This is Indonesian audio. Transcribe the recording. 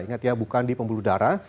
ingat ya bukan di pembuluh darah